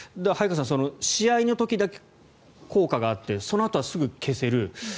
早川さん、試合の時だけ効果があってそのあとはすぐ消せる。